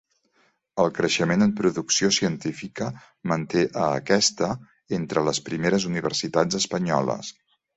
El creixement en producció científica manté a aquesta entre les primeres universitats espanyoles.